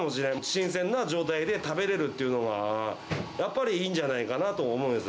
新鮮な状態で食べれるっていうのが、やっぱりいいんじゃないかと思うんです。